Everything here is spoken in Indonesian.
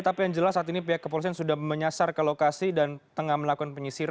tapi yang jelas saat ini pihak kepolisian sudah menyasar ke lokasi dan tengah melakukan penyisiran